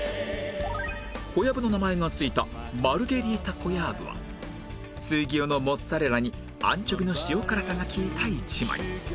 小籔の名前がついたマルゲリータコヤーブは水牛のモッツァレラにアンチョビの塩辛さが利いた一枚